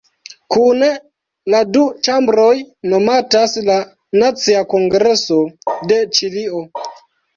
Kune la du ĉambroj nomatas la "Nacia Kongreso de Ĉilio".